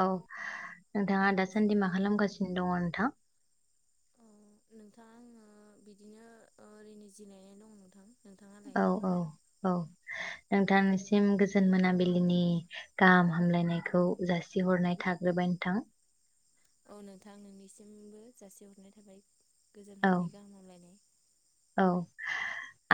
औ नोंथाङा दासान्दि मा खालामगासिनो दङ नोंथां औ नोंथां आङो बिदिनो ओरैनो जिरायनानै दङ नोंथां नोंथाङालाय? औ औ औ नोंथांनिसिम गोजोन मोनाबिलिनि गाहाम हामलायनायखौ जासिहरनाय थाग्रोबाय नोंथां औ नोंथां नोंनिसिमबो जासेहरनाय थाबाय गोजोन औ हरनि गाहाम हामलायनाय औ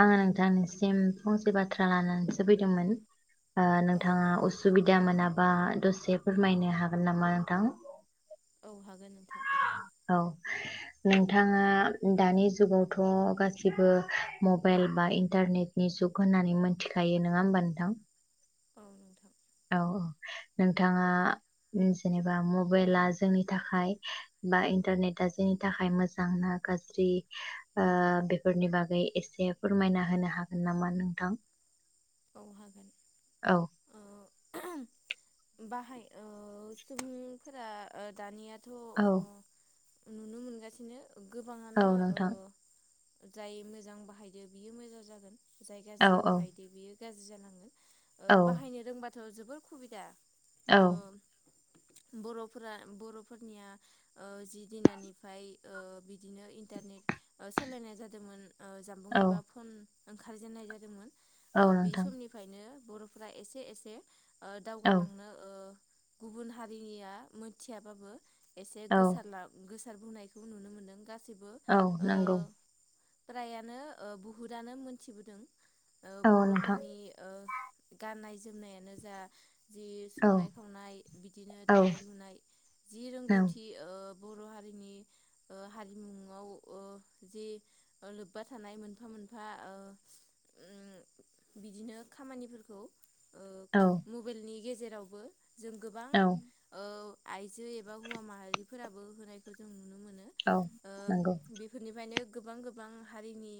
आङो नोंथांनिसिम फंसे बाथ्रा लानानैसो फैदोंमोन। ओ औ नोंथाङा नोंथां असुबिदा मोनाब बा दसे फोरमायनो हागोन नामा नोंथां? औ हागोन नोंथां। औ नोंथाङा दानि जुगावथ' गासिबो मबाइल बा इन्टारनेटनि जुग होननानै मोनथिखायो नङा होमबा नोंथां? औ नोंथां। औ नोंथाङा जेनेबा मबाइला जोंनि थाखाय बा इन्टारनेटा जोंनि थाखाय मोजांना गाज्रि ओ बेफोरनि बागै एसे फोरमायना होनो हागोन नामा नोंथां? औ हागोन औ ओ बाहाय ओ सुबुंफोरा ओ दानियाथ' औ अ नुनो मोनगासिनो औ गोबाङानो नोंथां ओ जाय मोजां बाहायदो बियो मोजां जागोन। जाय औ गाज्रि औ बाहायदो बियो गाज्रि जालांगोन। ओ औ बाहायनो रोंबा थ' जोबोर खुबिदा औ बर'फोरा बर'फोरनिया ओ जि दिनानिफ्राय ओ बिदिनो इन्टारनेट ओ सोलायनाय जादोमोन। ओ जानबुं औ एबा फन ओंखारजेननाय जादोंमोन औ ओ बे नोंथां समनिफ्रायनो बर'फ्रा एसे एसे ओ औ दावगालांनो ओ गुबुन हारिनिया मोनथियाबाबो एसे औ गोसालाब गोसा बुंसार बुंनायखौ नुनो मोनदों गासै सिबो औ ओ नंगौ फ्रायानो ओ बुहुदानो मोनथिबोदों। औ नोंथां बर'फोरनि ओ गाननाय जोमनायानो जा जि औ संनाय खावनाय बिदिनो औ दानाय लुनाय जि औ रोंगौथि ओ बर' हारिनि ओ हारिमुआव ओ जे लोब्बा थानाय मोनफा मोनफा ओ उम बिदिनो खामानिफोरखौ ओ मबाइलनि गेजे जेरावबो जों गोबां औ ओ आइजो एबा हौवा माहारिफोराबो होनायखौ जों नुनो मोन औ नंगौ गोबां गोबां हारिनि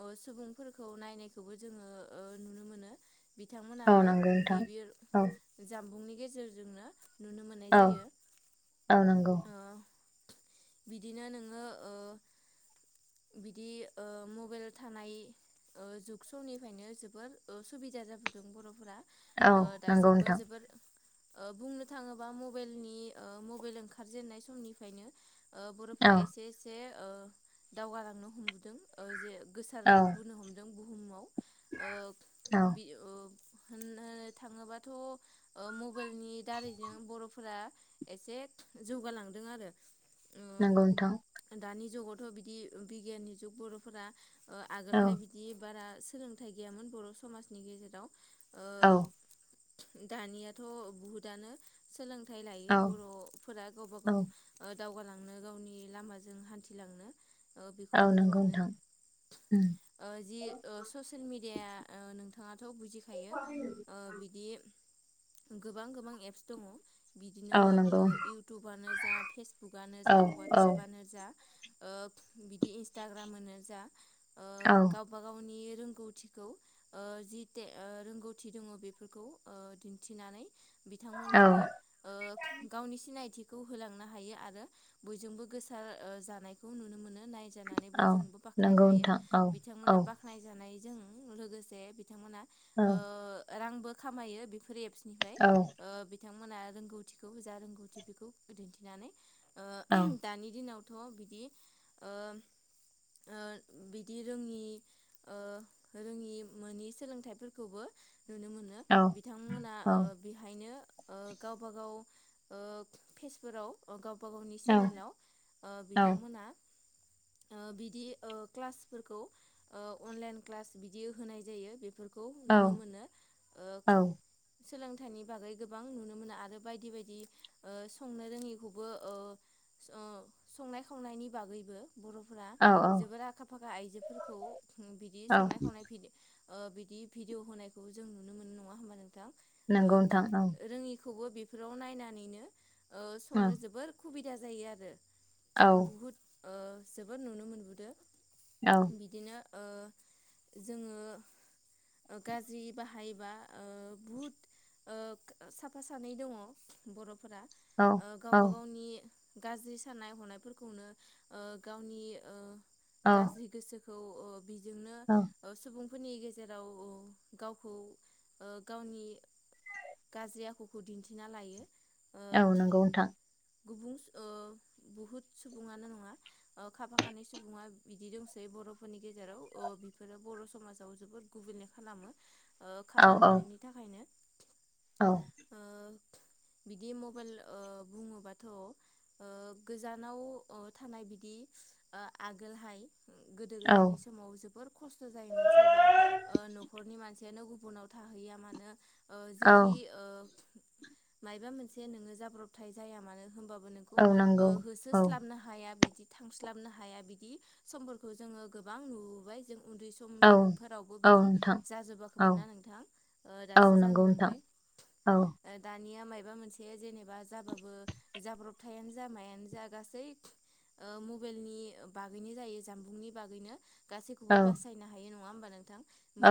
अ सुबुंफोरखौ नायनायखौबो जोङो ओ नुनो मोनो औ बिथांमोनाबो नंगौ नोंथां बिबिर औ जामबुंनि गेजेरजोंनो नुनो मोननाय औ जायो औ नंगौ ओ बिदिनो नोङो ओ बिदि ओ मबाइल थानाय ओ जुग समनिफ्रायनो जोबोर ओ सुबिदा जाबोदों बर'फोरा औ ओ नंगौ दासिमबो नोंथां जोबोर ओ बुंनो थाङोबा मबाइलनि ओ मबाइल ओंखारजेननाय समनिफ्रायनो ओ औ बर'फोरा एसे एसे ओ दावगालांनो हमबोदों ओ जे गोसार औ बोनो हमदों बुहुमाव ओ औ बि ओ होन नो थाङोबाथ' मबाइलनि दारैनो बर'फोरा एसे जौगालांदों आरो। ओ नंगौ नोंथां दानि जुगत थ' बिदि बिगियाननि जुग बर'फोरा ओ औ आगोलहाय बिदि बारा सोलोंथाइ गैयामोन बर' समाजनि गेजेराव औ ओ दानियाथ' बहुतआनो सोलों थाय औ लायो बर'फोरा गावबा औ गाव ओ दावगालांनो गावनि लामाजों हान्थिलांनो ओ बेखौ औ नुनो नंगौ मोनो नोंथां उम ओ जि ओ ससियेल मि डिया ओ नोंथाङा थ' बुजिखायो ओ बिदि गोबां गोबां एप्स दङ। बिदिनो औ नंगौ ओ इउटुबानो जा फेसबुकआनो औ जा औ अवाटसापनो जा ओ बिदि इन्सटाग्राम नोजा ओ औ गावबा गावनि रोंगौथिखौ ओ जिटे रोंगौथि दङ बेफोरखौ ओ दिन्थिनानै औ बिथांमोनाबो ओ गावनि सिनायथि खौ होलांनो हायो आरो बयजोंबो गोसार ओ जानायखौ नुनो मोन नायजानानै औ बयजोंबो बाख्नाय नंगौ जायो नोंथां औ औ बिथांमोना बाख्नाय जानाय जों लोगोसे बि थांमोनआ औ ओ रांबो खामायो बेफोर एप्स निफ्राय औ ओ बे बिथांमोना रोंगौथिखौ जा रोंगौथि बेखौ दिन्थिनानै ओ औ दानि दिनाव थ' बिदि ओ ओ बिदि रोङि ओ रोङि मोनि सोलोंथाइफोरखौबो नुनो मोनो औ बिथांमोना औ ओ बेहायनो ओ गावबा गाव ओ फेसफोराव ओ गाव गावबा गावनि चेनेलाव ओ बिथांमोना ओ बिदि ओ क्लासफोरखौ ओ अनलाइन क्लास बिदि होनाय जायो बेफोरखौ नुनो औ मोनो ओ औ सोलोंथाइनि बागै गोबां नुनो मोनो आरो बायदि बायदि ओ संनो रोङैखौबो ओ सं ओ संनाय खावनायनि बागैबो बर'फोरा जोबोर आखा फाखा आइजोफोरखौ बिदि औ संनाय खावनाय बिद ओ बिदि भिडिअ होनायखौ जों नुनो मोनो नङा होमबा नों नंगौ नोथां औ खौबो बेफोराव नायनानैनो ओ औ संनो जोबोर खुबिद दा जायो आरो औ बहुत ओ जोबोद नुनो मोनबोदों औ बिदिनो ओ जोङो गाज्रि बाहायोबा ओ बुहुद ओ साफा सानै दङ बर' फोरा गावबा गावनि गाज्रि साननाय हनायफोरखौनो ओ गावनि ओ औ गाज्रि गोसो खौ ओ बिजोंनो औ ओ सुबुं फोरनि गेजेराव गावखौ ओ गावनि गाज्रि आखुखौ दिन्थिना लायो। औ नंगौ नोंथां। गुबुनओ बहुत स सुबुङानो नङा ओ खाफा खानै सुबुङा बिदि दंसै बर'फोरनि गेजेराव ओ बिफोरो बर' समाजाव जोबोर गुबुंले खालामो। ओ औ खाफा औ खानैनि थाखायनो। औ ओ बिदि मबाइल ओ बुङोबाथ' ओ गोजानाव अ थानाय बिदि ओ आगोलहाय गोदो औ गोदायनि समाव जोबोर खस्थ' जायोमोन सोरबा ओ न'खरनि मानसि गुबुनाव थाहैया मानो ओ जिखि औ ओ मायबा मोनसे नोङो जाब्रबथाय जाया मानो होमबाबो नों औ ओ नंगौ औ होसोस्लाबनो बिदि थांस्लाबनो हाया बिदि समफोरखौ जों गोबां नुबाय जों उन्दै औ समफोरावबो औ बिदि नोंथां जाजोबाखैमोन औ ना नोंथां ओ औ दासो जानो नंगौ नोंथां मोनबाय औ दा दानिया मायबा मोनसे जेनेबा जाबाबो जाब्रबथायानो जा मायानो जा गासै ओ मबाइलनि बागैनो जायो जामबुंनि बागैनो गासैखौबो औ बासायनो हायो नङा होनबा नोंथां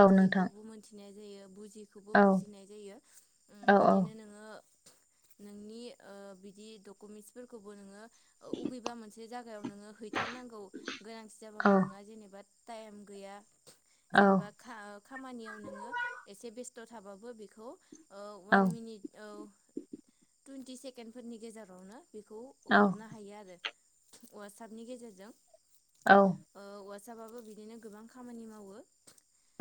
औ नोंथां मोनथिनाय [unintelligible] [unintelligible] औ बुजिनाय जायो ओम औ औ बिदिनो नोङो नोंनि ओ बिदि डकुमेन्टसफोरखौबो नोङो [unintelligible] सोरबा मोनसे जायगायाव नोङो हैथारनांगौ गोनांथि औ जाबाबो नोंहा जेनेबा टाइम गैया औ जेनेबा खा खामानियाव नोङो एसे [unintelligible] थ थाबाबो बेखौ औ वान मिनिट औ टुवन्टि सेकेणड फोरनि गेजेरावनो बेखौ औ हरनो हायो आरो वाट्सएपनि गेजेरजों औ फिसाबाबो बिदिनो गोबां खामानि मावो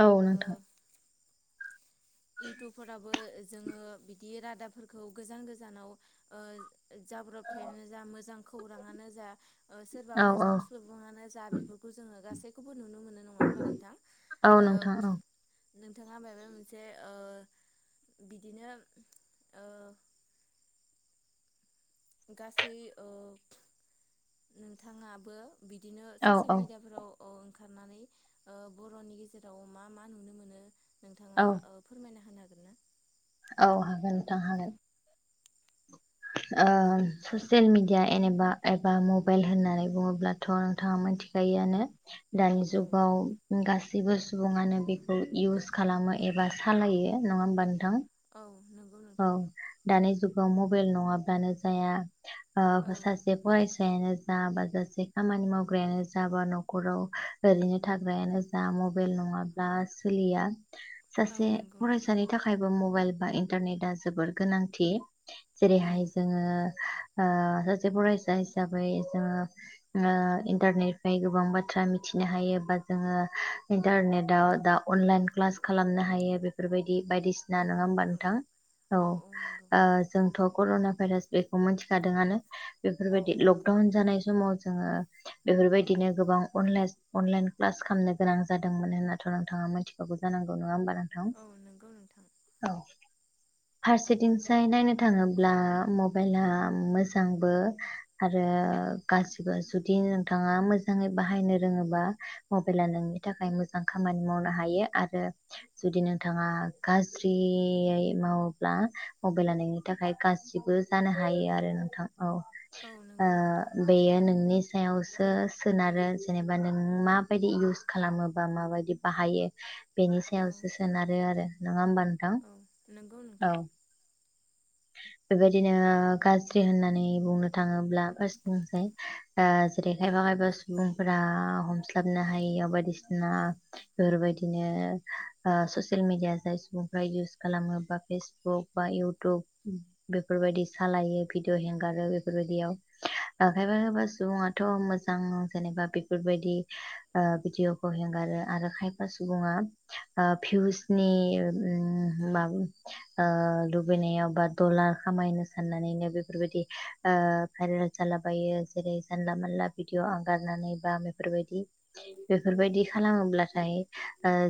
औ नोंथां इउटुबफोराबो जोङो बिदि रादाबफोरखौ गोजान गोजानाव ओ जाब्रबथाइयानो जा मोजां खौराङानो जा ओ सोरबा औ औ मोजां सुबुङानो जा बेफोरखौ जोङो गासै [unintelligible] नुनो मोनो नङा होमबा नोंथाङा औ नोंथां औ ओ नोंथाङा मायबा मोनसे ओ बिदिनो ओ गासै ओ नोंथाङाबो बिदिनो औ औ ससियेल मिडियाफ्राव ओ ओंखारनानै बर'नि गेजेराव मा मा नुनो मोनो नोंथाङा औ ओ फोरमायनो हागोन ना औ हागोन नोंथां हागोन ओ ससियेल मिेडिया एेनेबा एबा मबाइल होननानै बुङोब्लाथ' नोंथाङा मोनथिखायोआनो दानि औ जुगाव गासैबो सुबुङानो बेखौ इउस खालामो एबा सालायो नङा होमबा नोंथां औ नंगौ औ नोंथां दानि जुग मबाइल नङाब्लानो जाया ओ औ सासे फरायसाया फिसायानो जा बाजासे खामानि मावग्रायानो जा बा न'खराव ओरैनो थाग्रायानो जा मबाइल नङाब्ला सोलिया औ सासे नंगौ नोंथां फरायसानि थाखायबो मबाइल बाय इन्टारनेटा जोबोर गोनांथि औ जेरैहाय जोङो ओ सासे फरायसा हिसाबै जोङो इन्टारनेटफ्राय गोबां बाथ्रा मिथिनो हायो बा जोङो इन्टारनेदाव दा अनलाइन क्लास खालामनो हायो बेफोरबायदि बायदिसिना औ नङा होमबा नंगौ नोंथां औ ओ जोंथ कर'ना भाइरास बेखौ मिथिखादोंआनो औ बेफोरबायदि नंगौ लकडाउन जानाय समाव जोङो बेफोरबायदिनो गोबांला अनलाइन क्लास खालामनो गोनां जादोंमोन होन्थ' नोंथाङा मोनथिखागौ जानांगौ नङा होमबान नोंथां औ नंगौ नोंथां औ फारसेथिंसाय नायनो थाङोब्ला मबाइला मोजांबो आरो गाज्रिबो जुदि नोंथाङा मोजाङै बाहायनो रोङोबा मबाइला नोंनि थाखाय मोजां खामानि मावनो हायो आरो जुदि नोंथाङा गाज्रियै मावोब्ला मबाइल लानायनि थाखाय गासिबो जानो हायो आरो नोंथां औ औ ओ नंगौ नोंथां बेयो नोंनि सायावसो सोनारो जेनेबा नों माबायदि इउस खालामोबा माबायदि बाहायो बेनि औ सायावसो सोनारो आरो नङा होमबा नोंथां औ नंगौ औ नोंथां बेबायदिनो गाज्रि होननानै बुंनो थाङोब्ला फार्स्ट बुंसै जेरै खायफा खायफा सुबुंफोरा हमस्लाबनो हायियाव बायदिसिना बेफोरबायदिनो ससियेल मिडिया जाय सुबुंफ्रा इउस खालामो बा फेसबुक बा इउटुब बेफोरबायदि सालायो भिडिअ हगारो बेफोरबायदियाव खायफा खायफा सुबुङाथ' मोजां जेनेबा बेफोरबायदि भिडिअखौ हगारो आरो खायफा सुबुङा भिउसनि माबा ओ लुबैनायाव बा दलार खामायनो साननानैनो बेफोरबायदि भाइरेल जालाबायो जेरै जानला मानला भिदिअ आगारनानै बा बेफोरबायदि बेफोरबायदि खालामोब्लाथाय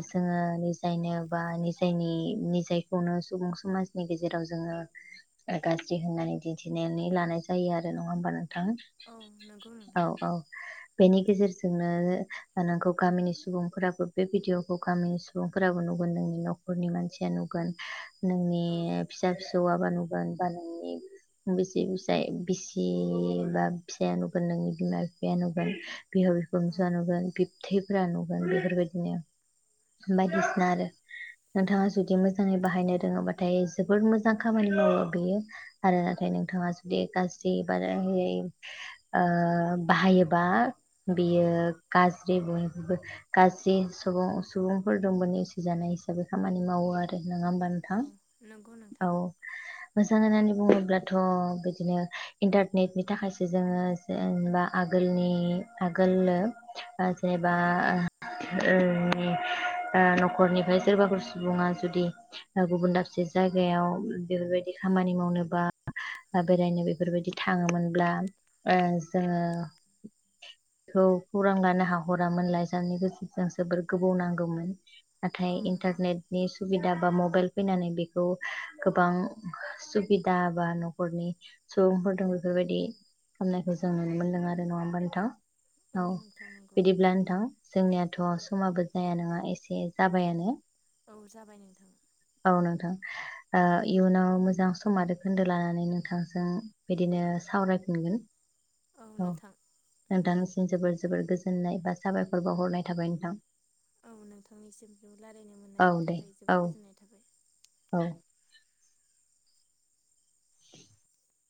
जोङो निजायनो बा नि निजायनि खौनो सुबुं समाजनि गेजेराव जोङो गाज्रि होननानै दिन्थिनानै लानाय जायो आरो नङा होमबानो नोंथां औ नंगौ नोंथां औ नोंथां औ बेनि गेजेरजोंनो नोंखौ गामिनि सुबुंफोराबो बे भिडिअखौ गामिनि सुबुंफोराबो नुगोन नोंनि न'खरनि मानसिया नुग गोन औ नोंनि फिसा फिसौआ बा नुगोन बा नोंनि बिसि फिसाय बिसि बा फिसाया नुगोन नोंनि बिमा बिफाया नुगोन बिहाव औ बिखुमजोआ नुगोन बिबथैफोरा नुगोन बेफोरबायदिनो औ बायदिसिना आरो नोंथाङा जुदि मो मोजाङै बाहायनो रोङोबाथाय जोबोर मोजां खामानि मावो बेयो आरो नाथाय नोंथाङा जुदि गाज्रिबार ओ बाहायोबा बियो गाज्रि मुंबो गाज्रि सबुं सुबुंफोर दंबो नेवसिजानाय हिसाबै खामानि मावो आरो नङा होमबा नोंथां औ नंगौ औ नोंथां मोजां होननानै बुङोब्लाथ' बिदिनो इन्टारनेटनि थाखायसो जोङो जेनेबा आगोलनि आगोलो ओ औ जेबा ओ ओ न'खरनिफ्राय सोरबाफोर सुबुङा जुदि गुबुन दाबसे जायगायाव बेफोरबायदि खामानि मावनो बा ओ बेरायनो बेफोरबायदि थाङोमोनब्ला ओ जोङो खौ खौरां लानो हाहरामोन लाइजामनि गेजेरजों जोबोर गोबाव नांगौमोन। नाथाय औ नंगौ इन्टारनेटनि सुबिदा बा मबेल फैनानै बेखौ गोबां सुबिदा बा न'खरनि सुबुंफोरदों बेफोरबायदि खालामनायखौ जों नुनो मोनदों आरो नङा होमबा नोंथां? औ नोंथां नंगौ बिदिब्ला नोंथां जोंनियाथ' समाबो जाया नङा एसे जाबायानो औ जाबाय नोंथां औ नोंथां ओ इयुनाव मोजां सम आरो खोन्दो लानानै नोंथांजों बिदिनो सावरायफिनगोन। औ नोंथानिसिम जोबोर जोबोर गोजोननाय बा साबायखर बावहरनाय थाबाय नोंथां। औ नोंथांनिसिम [unintelligible] औ दे थाखाय जोबोद औ गोजोननाय थाबाय औ